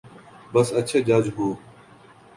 بس اچھے جج ہوں۔